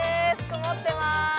曇ってます。